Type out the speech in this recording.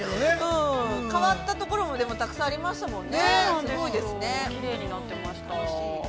◆変わったもところもたくさんありましたもんね。